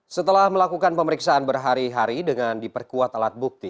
setelah melakukan pemeriksaan berhari hari dengan diperkuat alat bukti